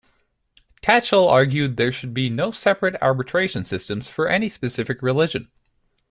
Tatchell argued there should be no separate arbitration systems for any specific religion.